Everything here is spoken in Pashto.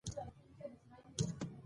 مګر د نورو توهین کول جواز نه لري.